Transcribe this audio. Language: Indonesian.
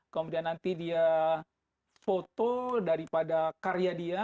kemudian nanti dia foto daripada karya dia